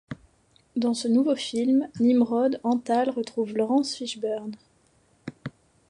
Dans ce nouveau film, Nimród Antal retrouve Laurence Fishburne.